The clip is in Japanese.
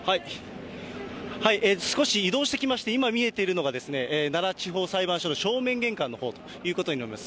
少し移動してきまして、今、見えているのが奈良地方裁判所の正面玄関のほうということになります。